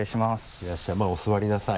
いらっしゃいまぁお座りなさい。